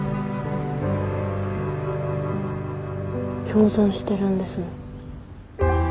共存してるんですね。